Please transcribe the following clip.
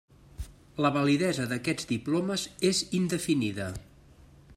La validesa d'aquests diplomes és indefinida.